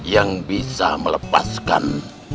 yang bisa melepaskan